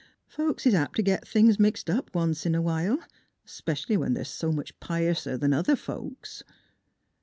Folks is apt t' git things mixed once in a while, 'specially when they're s' much piouser 'an other folks."